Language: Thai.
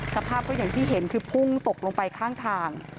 สภาพก็อย่างที่เห็นคือพุ่งตกลงไปข้างทาง